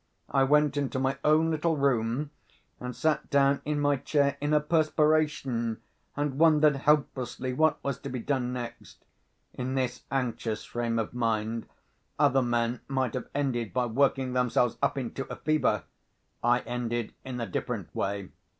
I went into my own little room, and sat down in my chair in a perspiration, and wondered helplessly what was to be done next. In this anxious frame of mind, other men might have ended by working themselves up into a fever; I ended in a different way.